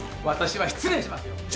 私は失礼しますよ